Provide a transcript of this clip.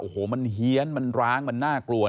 โอ้โหมันเฮียนมันร้างมันน่ากลัว